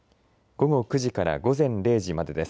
午後９時から午前０時までです。